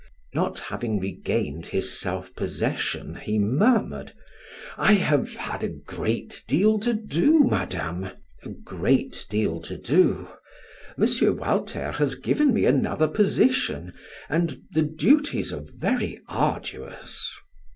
Not having regained his self possession, he murmured: "I have had a great deal to do, Madame, a great deal to do. M. Walter has given me another position and the duties are very arduous."